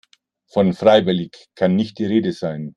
Von freiwillig kann nicht die Rede sein.